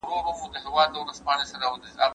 سردار اکبرخان د جګړې پلان جوړ کړ.